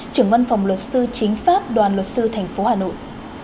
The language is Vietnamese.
trưởng văn phòng luật sư chính pháp đoàn luật sư thành phố hà nội